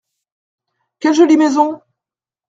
Quelle jolie maison !